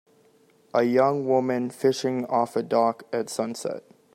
a young woman fishing off a dock at sunset.